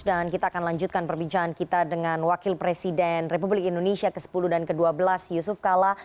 dan kita akan lanjutkan perbincangan kita dengan wakil presiden republik indonesia ke sepuluh dan ke dua belas yusuf kalla